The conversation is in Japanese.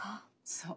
そう。